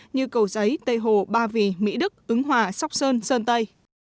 như cầu giấy tây hồ ba vì mỹ đức ứng hòa sóc sơn sơn tây